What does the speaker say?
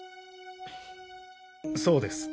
そうです。